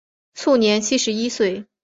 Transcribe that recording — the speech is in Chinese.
卒年七十一岁。